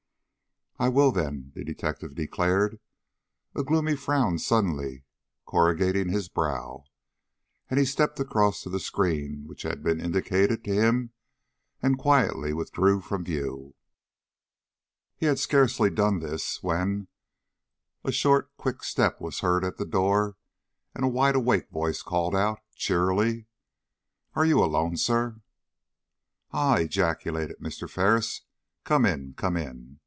"I will, then," the detective declared, a gloomy frown suddenly corrugating his brow; and he stepped across to the screen which had been indicated to him, and quietly withdrew from view. He had scarcely done this, when a short, quick step was heard at the door, and a wide awake voice called out, cheerily: "Are you alone, sir?" "Ah!" ejaculated Mr. Ferris, "come in, come in.